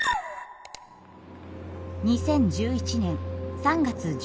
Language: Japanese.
２０１１年３月１１日。